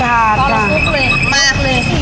จับมือจุดเล็กมากเลย